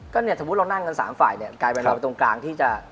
ก็ถ้าบุ๊ดเรานั่งกัน๓ฝ่ายกลายเป็นเราตรงกลางที่จะ